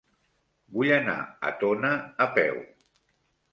Vull anar a Tona a peu.